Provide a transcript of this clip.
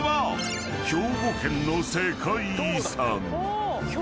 ［兵庫県の世界遺産］